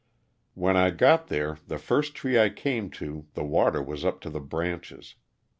When I got there the first tree I came to the water was up to the branches.